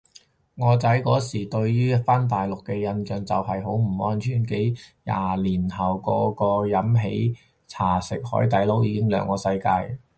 我仔嗰時對於返大陸嘅印象就係好唔安全，廿年後個個飲喜茶食海底撈已經兩個世界